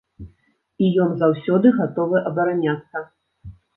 І ён заўсёды гатовы абараняцца.